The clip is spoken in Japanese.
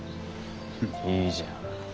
いいじゃん。